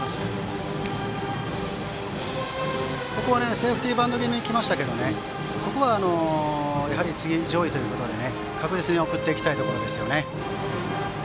セーフティーバント気味に来ましたけどここは次が上位ということで確実に送っていきたいところですね。